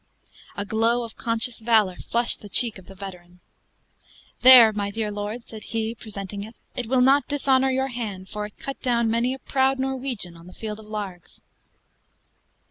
A glow of conscious valor flushed the cheek of the veteran. "There, my dear lord," said he, presenting it; "it will not dishonor your hand, for it cut down many a proud Norwegian on the field of Largs."